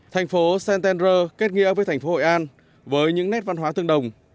thành phố centender kết nghĩa với thành phố hội an với những nét văn hóa tương đồng